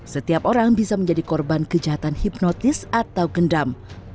setiap orang bisa menjadi korban kejahatan hipnotis atau gendam